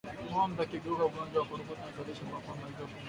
Ngombe akiugua ugonjwa wa ukurutu uzalishaji wa maziwa hupungua